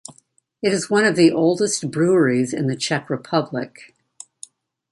It is one of the oldest breweries in the Czech Republic.